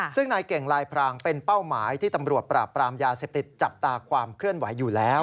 ซึ่งนายเก่งลายพรางเป็นเป้าหมายที่ตำรวจปราบปรามยาเสพติดจับตาความเคลื่อนไหวอยู่แล้ว